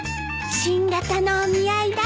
新型のお見合いだって。